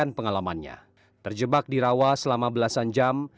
pertama penyelidikan nkri yang terjebak di rawah selama belasan jam